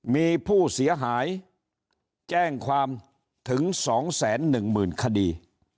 มีผู้เสียหายแจ้งความถึง๒๑๐๐๐คดี